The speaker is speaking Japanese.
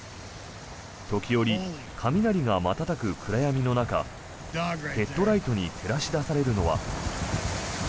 時折、雷が瞬く暗闇の中ヘッドライトに照らし出されるのは。